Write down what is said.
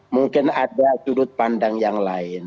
mungkin ada sudut pandang yang lain